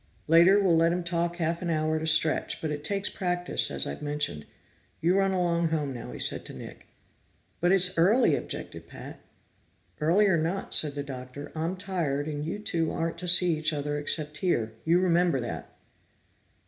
Later we'll let him talk half an hour at a stretch, but it takes practice, as I've mentioned. You run along home now," he said to Nick. "But it's early!" objected Pat. "Early or not," said the Doctor, "I'm tired, and you two aren't to see each other except here. You remember that."